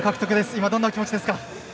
今、どんなお気持ちですか？